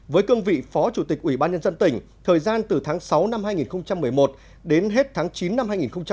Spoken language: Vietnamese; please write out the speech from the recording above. với cương vị phó chủ tịch ubnd thời gian từ tháng sáu năm hai nghìn một mươi một đến hết tháng chín năm hai nghìn một mươi bốn